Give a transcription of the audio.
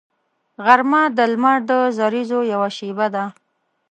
غرمه د لمر د زریزو یوه شیبه ده